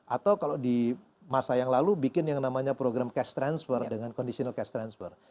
atau kalau di masa yang lalu bikin yang namanya program cash transfer dengan conditional cash transfer